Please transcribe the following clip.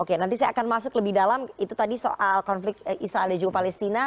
oke nanti saya akan masuk lebih dalam itu tadi soal konflik israel dan juga palestina